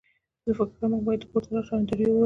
زه فکر کوم موږ باید کور ته لاړ شو انډریو وویل